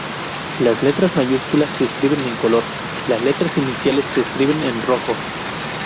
Las letras mayúsculas se escriben en color, las letras iniciales se escriben en rojo.